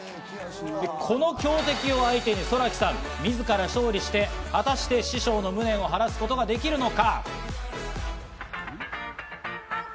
この強敵を相手にＳｏｒａＫｉさん、自ら勝利して、果たして師匠の無念を晴らすことができるのか？